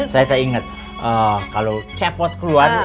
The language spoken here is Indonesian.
saya tak ingat kalau cepat keluar